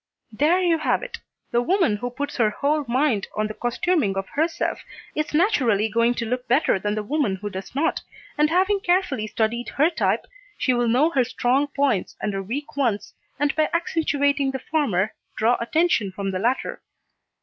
There you have it! The woman who puts her whole mind on the costuming of herself is naturally going to look better than the woman who does not, and having carefully studied her type, she will know her strong points and her weak ones, and by accentuating the former, draw attention from the latter.